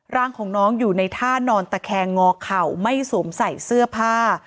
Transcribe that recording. ร่างของน้องอยู่ในท่านอนตะแคงงอเข่าไม่สวมใส่เสื้อผ้า